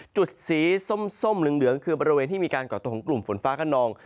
จุดสีส้มเหลืองคือบริเวณที่มีการก่อตัวของกลุ่มฝนฟ้าขนอง